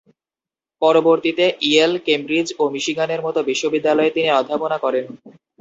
পরবর্তীতে Yale, Cambridge ও মিশিগানের মত বিশ্ববিদ্যালয়ে তিনি অধ্যাপনা করেন।